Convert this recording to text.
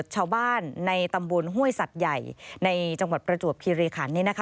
ชาวบ้านในตำบลห้วยสัตว์ใหญ่ในจังหวัดประจวบคิริขัน